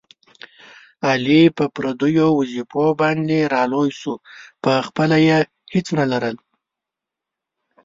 علي په پردیو وظېفو باندې را لوی شو، په خپله یې هېڅ نه لرل.